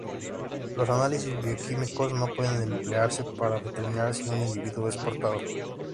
Los análisis bioquímicos no pueden emplearse para determinar si un individuo es portador.